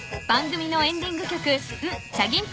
［番組のエンディング曲］